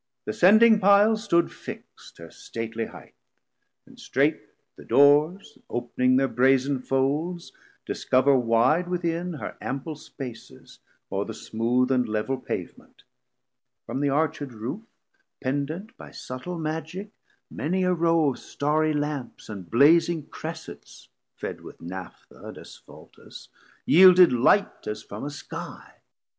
Th' ascending pile Stood fixt her stately highth, and strait the dores Op'ning thir brazen foulds discover wide Within, her ample spaces, o're the smooth And level pavement: from the arched roof Pendant by suttle Magic many a row Of Starry Lamps and blazing Cressets fed With Naphtha and Asphaltus yeilded light As from a sky.